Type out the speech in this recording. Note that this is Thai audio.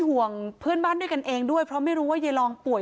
ห่วงเพื่อนบ้านด้วยกันเองด้วยเพราะไม่รู้ว่ายายลองป่วย